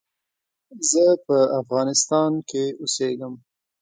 زه په افغانستان کې اوسیږم